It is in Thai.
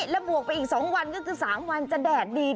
และบวกไปอีก๒วันก็คือ๓วันจะแดดดี